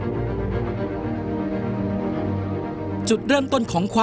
ค่อยสอนเราอะไรเราก็พัฒนาขึ้นมาครับ